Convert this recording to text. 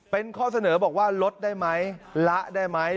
เป็นข้อเสนอบอกว่าลดได้ไหมละได้ไหม